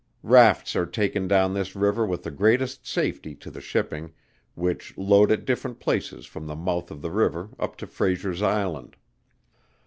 Rafts are taken down this river with the greatest safety to the shipping, which load at different places from the mouth of the river up to Fraser's Island.